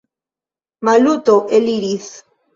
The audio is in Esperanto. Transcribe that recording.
Maluto eliris.